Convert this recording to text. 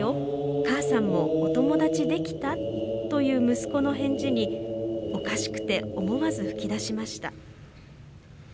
母さんもお友達できた？」という息子の返事におかしくて思わずふき出しました。